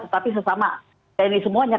tetapi sesama tni semuanya